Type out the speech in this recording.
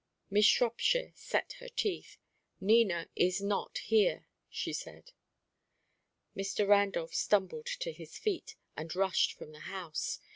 Miss Shropshire set her teeth. "Nina is not here," she said. Mr. Randolph stumbled to his feet, and rushed from the house.